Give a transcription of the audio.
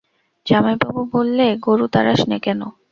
জামাইবাবু বললে, গোরু তাড়াস নে কেন।